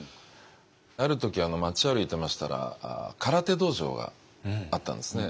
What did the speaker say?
ある時街を歩いてましたら空手道場があったんですね。